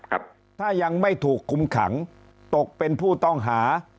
ครับถ้ายังไม่ถูกคุมขังตกเป็นผู้ต้องหา